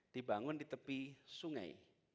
dibangun di tepi sungai